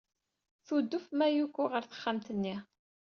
Tudef Mayuko ɣer texxamt-nni.